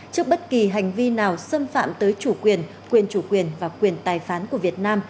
trước bất kỳ hành vi nào xâm phạm tới chủ quyền quyền chủ quyền và quyền tài phán của việt nam